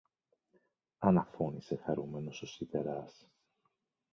αναφώνησε χαρούμενος ο σιδεράς.